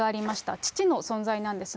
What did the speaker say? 父の存在なんですね。